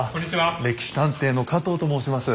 「歴史探偵」の加藤と申します。